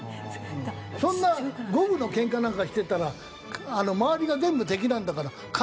そんな五分のけんかなんかしてたら周りが全部敵なんだからかなうわけなくて。